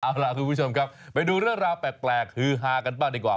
เอาล่ะคุณผู้ชมครับไปดูเรื่องราวแปลกฮือฮากันบ้างดีกว่า